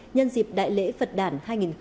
nhân dịp đại lễ phật đản hai nghìn hai mươi ba